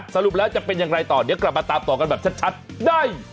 สรุปแล้วจะเป็นอย่างไรต่อเดี๋ยวกลับมาตามต่อกันแบบชัดได้